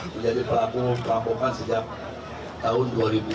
menjadi pelaku perampokan sejak tahun dua ribu